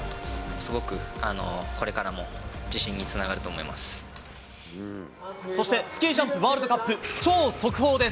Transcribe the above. すごく、これからも自信につながそしてスキージャンプワールドカップ、超速報です。